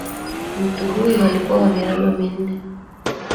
Mtu huyo alikuwa wa miraba minane.